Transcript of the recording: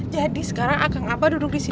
jadi sekarang akang abah duduk disini ya